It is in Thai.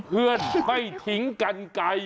เพื่อนไม่ทิ้งกันไกล